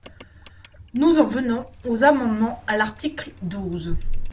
Nous en venons aux amendements à l’article douze.